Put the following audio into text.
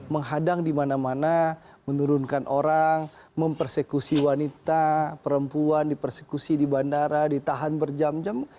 menghadang di mana mana menurunkan orang mempersekusi wanita perempuan dipersekusi di bandara ditahan berjam jam